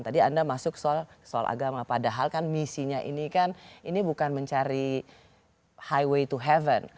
tadi anda masuk soal agama padahal kan misinya ini kan ini bukan mencari highway to heaven